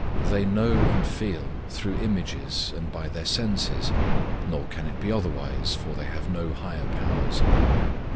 They know and feel through images and by their senses, nor can it be otherwise, for they have no higher powers.